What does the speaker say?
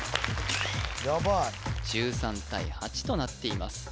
ヤバい１３対８となっています